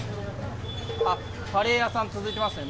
あっ、カレー屋さん、続いてますね。